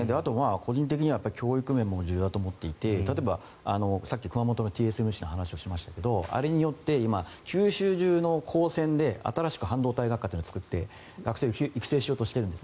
個人的には教育面も重要だと思っていて例えばさっき熊本のＴＳＭＣの話をしましたがあれによって今九州中の高専で半導体を作って学生を育成しようとしています。